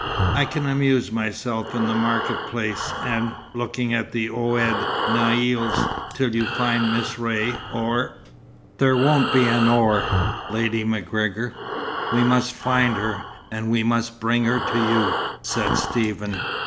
I can amuse myself in the market place, and looking at the Ouled Naïls, till you find Miss Ray, or " "There won't be an 'or,' Lady MacGregor. We must find her. And we must bring her to you," said Stephen.